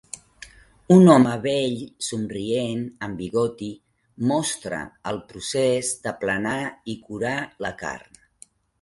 Un home vell somrient amb bigoti mostra el procés d'aplanar i curar la carn